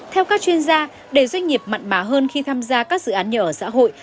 theo các chuyên gia để doanh nghiệp mặn mà hơn khi tham gia các dự án nhà ở xã hội